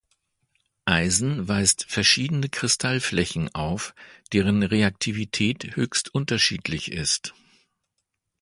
Eisen weist verschiedene Kristallflächen auf, deren Reaktivität höchst unterschiedlich ist.